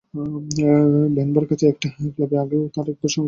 ডেনভারের কাছে একটা ক্লাবে আগেও একবার তাঁর সঙ্গে আমার দেখা হয়েছিল।